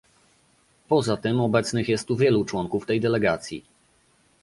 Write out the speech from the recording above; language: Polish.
Poza tym obecnych jest tu wielu członków tej delegacji